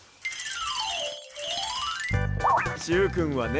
しゅうくんはね